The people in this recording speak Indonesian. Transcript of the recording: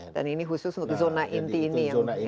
dan ini khusus untuk zona inti ini